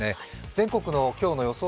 全国の今日の予想